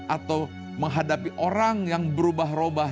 atau menghadapi orang yang berubah ubah